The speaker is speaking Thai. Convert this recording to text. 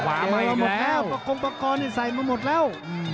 มาหมดแล้วปกล้องปลากอลใส่มาหมดแล้ว